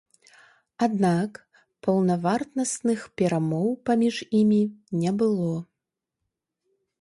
Аднак паўнавартасных перамоў паміж імі не было.